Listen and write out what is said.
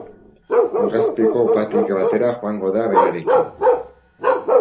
Lurrazpiko upategi batera joango da berarekin.